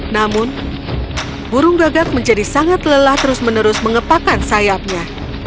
namun burung gagap menjadi sangat lelah terus menerus mengepakan sayapnya